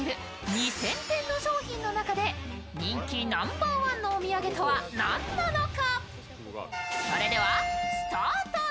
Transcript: ２０００点の商品の中で人気ナンバーワンのお土産とは何なのか。